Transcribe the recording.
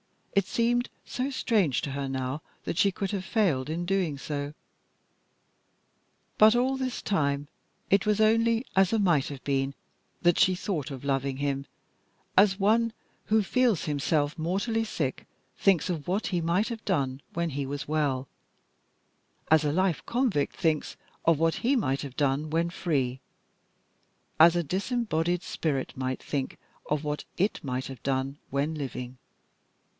It seemed so strange to her now that she could have failed in doing so. But all this time it was only as a might have been that she thought of loving him, as one who feels himself mortally sick thinks of what he might have done when he was well, as a life convict thinks of what he might have done when free, as a disembodied spirit might think of what it might have done when living.